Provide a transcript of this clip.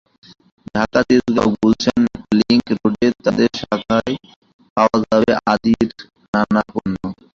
ঢাকার তেজগাঁও-গুলশান লিংক রোডে তাদের শাখায় পাওয়া যাবে আদির নানা পণ্য।